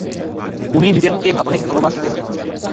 উনি লিনেটকে অনেক ভালোবাসতেন।